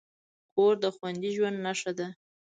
کور د خوندي ژوند نښه ده.